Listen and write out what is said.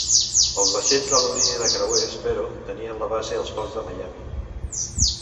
Els vaixells de la línia de creuers, però, tenien la base als ports de Miami.